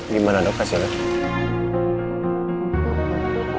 gimana dok hasilnya